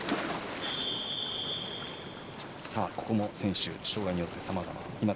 選手、障がいによってさまざま。